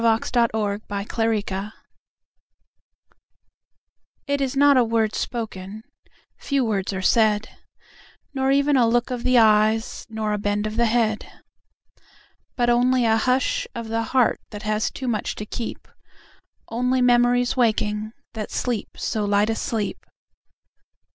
It Is Not a Word It is not a word spoken, Few words are said; Nor even a look of the eyes Nor a bend of the head, But only a hush of the heart That has too much to keep, Only memories waking That sleep so light a sleep.